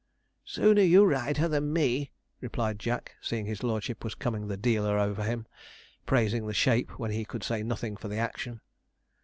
'Sooner you ride her than me,' replied Jack, seeing his lordship was coming the dealer over him praising the shape when he could say nothing for the action.